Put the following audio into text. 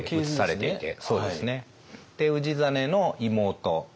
氏真の妹。